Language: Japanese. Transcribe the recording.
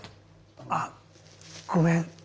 あごめん。